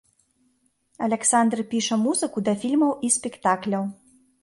Аляксандр піша музыку да фільмаў і спектакляў.